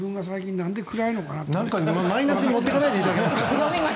なんかマイナスに持っていかないでいただけますか。